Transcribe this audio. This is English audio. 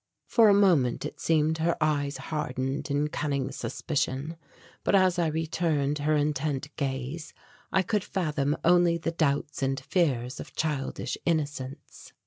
For a moment, it seemed, her eyes hardened in cunning suspicion, but as I returned her intent gaze I could fathom only the doubts and fears of childish innocence.